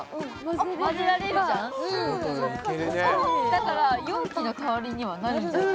だから容器の代わりにはなるんじゃない？